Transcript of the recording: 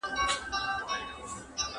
¬ بې ډوډۍ ښه، بې کوره نه.